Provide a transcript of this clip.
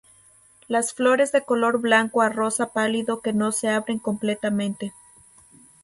Las flores de color blanco a rosa pálido que no se abren completamente.